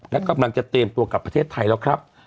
และกำลังจะเตรียมตัวกลับประเทศไทยแล้วครับ